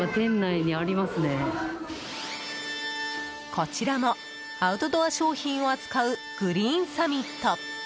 こちらもアウトドア商品を扱うグリーンサミット。